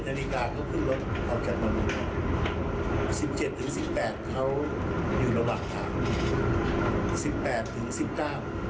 ๑๗นาฬิกาเขาขึ้นรถเขาจัดบนบนตอน๑๗๑๘เขาอยู่ระหว่างตาม